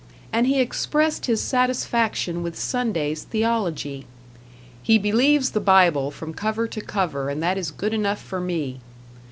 And he expressed his satisfaction with Sunday's theology: "He believes the Bible from cover to cover and that is good enough for me."